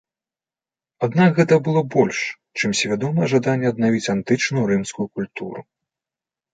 Аднак гэта было больш, чым свядомае жаданне аднавіць антычную рымскую культуру.